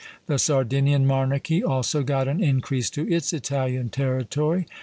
The Sardinian monarchy also got an increase to its Italian territory.